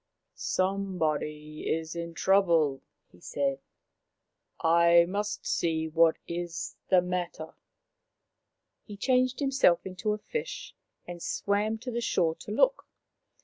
Some body is in trouble/' he said. " I must see what is the matter." He changed himself into a fish and swam to the shore to look.